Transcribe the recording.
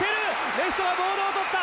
レフトがボールを捕った！